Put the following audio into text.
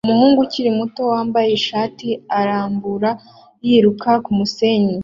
Umuhungu ukiri muto wambaye ishati irambuye yiruka kumusenyi